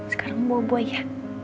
sekarang buah buah ya